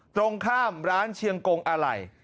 ตรงข้ามร้านเชียงกงอะไหล่